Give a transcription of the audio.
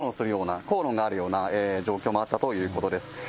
また少し、口論するような、口論があるような状況もあったということです。